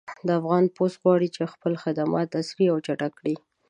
افغان پُست غواړي چې خپل خدمات عصري او چټک کړي